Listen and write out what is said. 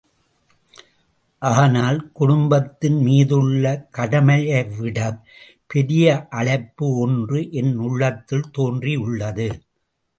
ஆனால், குடும்பத்தின் மீதுள்ள கடமையைவிடப் பெரிய அழைப்பு ஒன்று என் உள்ளத்தில் தோன்றியுள்ளது.